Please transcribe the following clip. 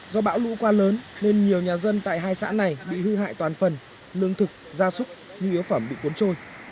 do bão lũ qua lớn nên nhiều nhà dân tại hai xã này bị hư hại toàn phần lương thực gia súc nhu yếu phẩm bị cuốn trôi